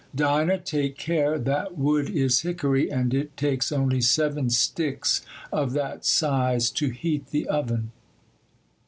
—Dinah, take care, that wood is hickory, and it takes only seven sticks of that size to heat the oven.